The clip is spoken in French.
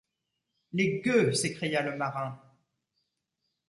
Les gueux s’écria le marin